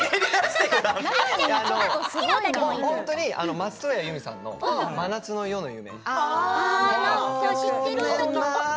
松任谷由実さんの「真夏の夜の夢」。